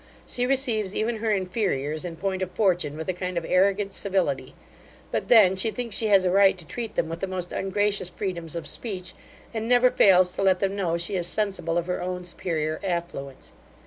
She receives even her inferiors in point of fortune with a kind of arrogant civility; but then she thinks she has a right to treat them with the most ungracious freedoms of speech, and never fails to let them know she is sensible of her own superior affluence.